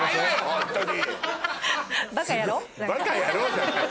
ホントに。